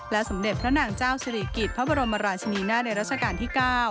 สมเด็จพระนางเจ้าสิริกิจพระบรมราชนีนาในรัชกาลที่๙